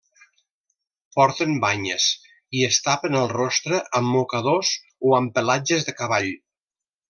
Porten banyes i es tapen el rostre amb mocadors o amb pelatges de cavall.